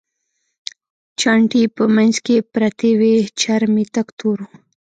چانټې یې په منځ کې پرتې وې، چرم یې تک تور و.